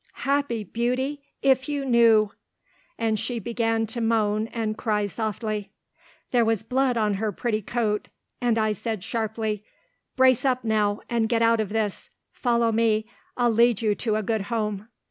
"Happy, Beauty if you knew," and she began, to moan and cry softly. There was blood on her pretty coat, and I said sharply, "Brace up, now, and get out of this. Follow me, I'll lead you to a good home."